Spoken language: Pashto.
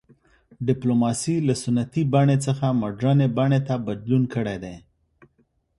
ډیپلوماسي له سنتي بڼې څخه مډرنې بڼې ته بدلون کړی دی